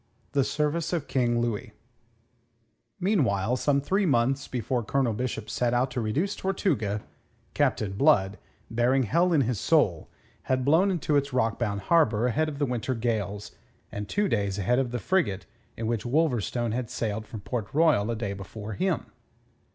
THE SERVICE OF KING LOUIS Meanwhile, some three months before Colonel Bishop set out to reduce Tortuga, Captain Blood, bearing hell in his soul, had blown into its rockbound harbour ahead of the winter gales, and two days ahead of the frigate in which Wolverstone had sailed from Port Royal a day before him.